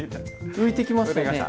浮いてきました？